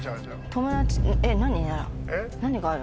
何がある？